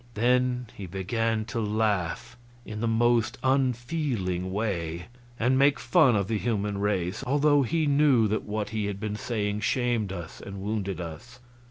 Then he began to laugh in the most unfeeling way, and make fun of the human race, although he knew that what he had been saying shamed us and wounded us.